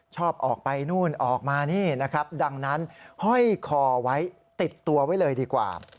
ชอบออกไปนู่นออกมานี่นะครับดังนั้นห้อยคอไว้ติดตัวไว้เลยดีกว่า